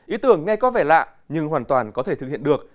ý tưởng nghe có vẻ lạ nhưng hoàn toàn có thể thực hiện được